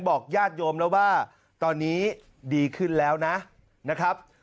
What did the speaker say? ญาติโยมแล้วว่าตอนนี้ดีขึ้นแล้วนะครับ